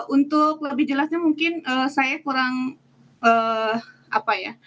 untuk lebih jelasnya mungkin saya kurang apa ya